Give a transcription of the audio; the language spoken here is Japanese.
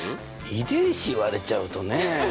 遺伝子言われちゃうとね。